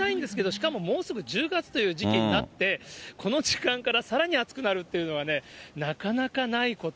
しかも、もうすぐ１０月という時期になって、この時間からさらに暑くなるっていうのはね、なかなかないこと。